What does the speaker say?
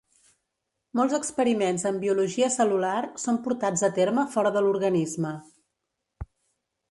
Molts experiments en biologia cel·lular són portats a terme fora de l'organisme.